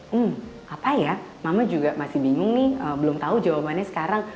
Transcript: hmm apa ya mama juga masih bingung nih belum tahu jawabannya sekarang